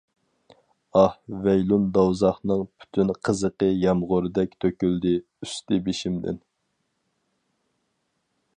ئاھ، ۋەيلۇن دوزاخنىڭ پۈتۈن قىزىقى يامغۇردەك تۆكۈلدى ئۈستى بېشىمدىن.